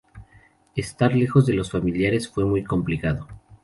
Estar lejos de los familiares fue muy complicado.